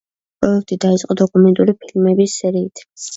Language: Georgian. პროექტი დაიწყო დოკუმენტური ფილმების სერიით.